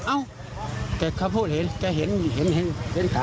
เอ้าแต่เขาพูดเห็นแกเห็นเห็นขา